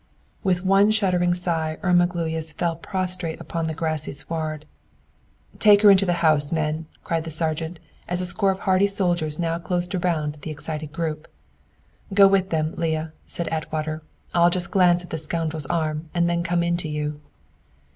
With one shuddering sigh, Irma Gluyas fell prostrate upon the grassy sward. "Take her into the house, men," cried the sergeant, as a score of hardy soldiers now closed around the excited group. "Go with them, Leah," said Atwater. "I'll just glance at this scoundrel's arm, and then come in to you."